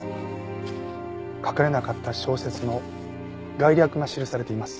書かれなかった小説の概略が記されています。